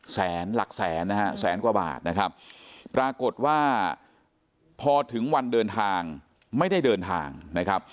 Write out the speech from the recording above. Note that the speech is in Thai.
แสนหลักแสนนะฮะแสนกว่าบาทนะครับปรากฏว่าพอถึงวันเดินทางไม่ได้เดินทางนะครับ